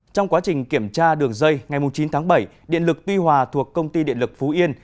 trong quá trình kiểm tra đường dây ngày chín tháng bảy điện lực tuy hòa thuộc công ty điện lực phú yên